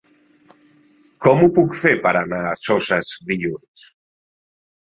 Com ho puc fer per anar a Soses dilluns?